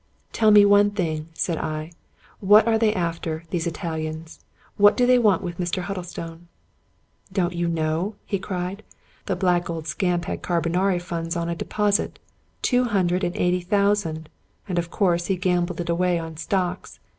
" Tell me one thing," said I. " What are they after, these Italians ? What do they want with Mr. Huddlestone ?"" Don't you know ?" he cried. " The black old scamp had carbonari funds on a deposit — ^two hundred and eighty thou sand ; and of course he gambled it away on stocks.